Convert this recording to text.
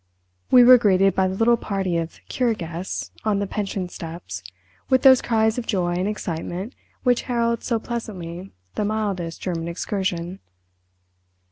We were greeted by the little party of "cure guests" on the pension steps, with those cries of joy and excitement which herald so pleasantly the mildest German excursion.